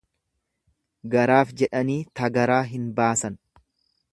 Garaaf jedhanii ta garaa hin baasan.